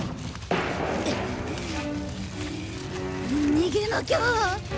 逃げなきゃ！